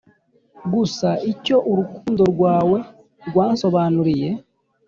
gusa icyo urukundo rwawe rwansobanuriye.